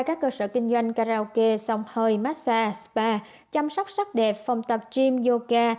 các cơ sở kinh doanh karaoke sông hơi massage spa chăm sóc sắc đẹp phòng tập gym yoga